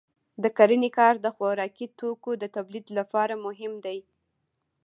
د کرنې کار د خوراکي توکو د تولید لپاره مهم دی.